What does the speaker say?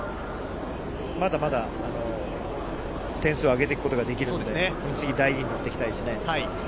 まだまだ点数を上げていくことができるので、この次大事に乗っていきたいですね。